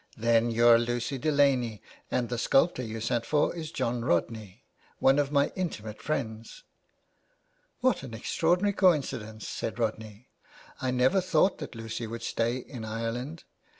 " Then you're Lucy Delaney, and the sculptor you sat for is John Rodney, one of my intimate friends." " What an extraordinary coincidence," said Rodney. '• I never thought that Lucy w^ould stay in Ireland.